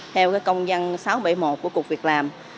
theo công dân sáu trăm bảy mươi một của cục việc làm